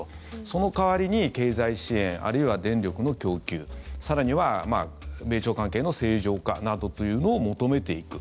その代わりに経済支援、あるいは電力の供給更には米朝関係の正常化などというのを求めていく。